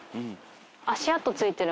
足跡ついてる。